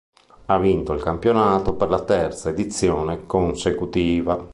La ha vinto il campionato per la terza edizione consecutiva.